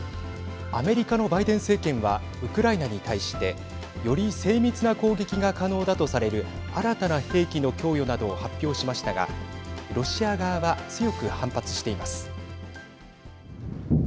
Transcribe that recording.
アメリカのバイデン政権はウクライナに対してより精密な攻撃が可能だとされる新たな兵器の供与などを発表しましたがロシア側は強く反発しています。